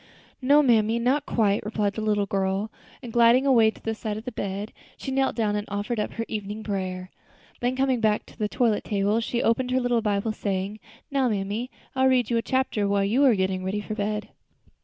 "No, mammy, not quite," replied the little girl, and gliding away to the side of the bed, she knelt down and offered up her evening prayer. Then, coming back to the toilet table, she opened her little Bible, saying, "Now, mammy, I will read you a chapter while you are getting ready for bed."